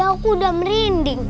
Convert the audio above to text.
aku udah merinding